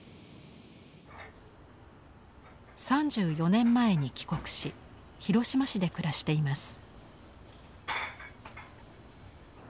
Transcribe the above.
３４年前に帰国し広島市で暮らしています。